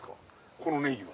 このねぎは。